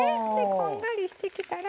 こんがりしてきたら。